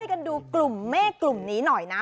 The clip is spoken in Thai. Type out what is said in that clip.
กันดูกลุ่มเมฆกลุ่มนี้หน่อยนะ